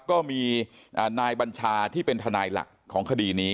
ก็มีนายบัญชาที่เป็นทนายหลักของคดีนี้